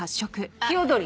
・ヒヨドリ。